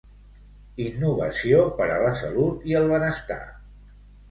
Innovació per a la salut i el benestar.